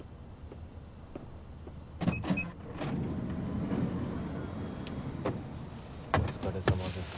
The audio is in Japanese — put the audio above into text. ピピッお疲れさまです。